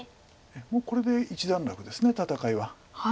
もうこれで一段落です戦いは。